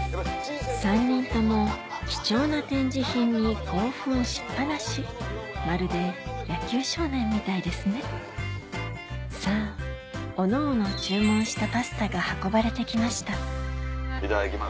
３人とも貴重な展示品に興奮しっ放しまるで野球少年みたいですねさぁおのおの注文したパスタが運ばれてきましたいただきます。